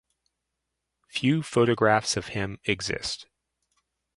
Few photographs of him exist.